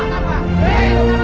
badai rodama badai rodama